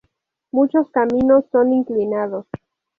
Muchos caminos son inclinados.